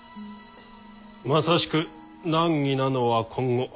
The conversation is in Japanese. まさしく難儀なのは今後。